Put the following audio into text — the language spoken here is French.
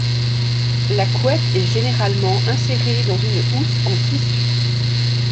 La couette est généralement insérée dans une housse en tissu.